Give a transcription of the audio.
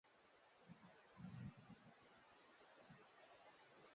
watu wanakuja kufanya kazi hizo na kama hawazifanyi sawa sawa wanaingiliana kutakuwa na mvurungano